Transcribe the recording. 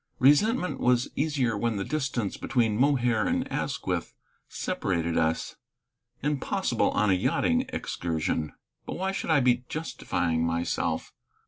Resentment was easier when the distance between Mohair and Asquith separated us, impossible on a yachting excursion. But why should I be justifying myself?